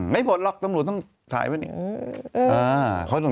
ไม่หมดหรอกตำรวจต้องถ่ายเป็น